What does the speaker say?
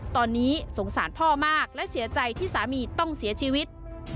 ตอนนี้สงสารพ่อมากและเสียใจที่สามีต้องเสียชีวิต